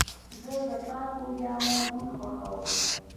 زه د پاکو جامو بوی خوښوم.